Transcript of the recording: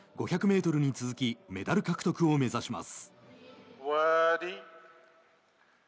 ５００ｍに続きメダル獲得を目指します。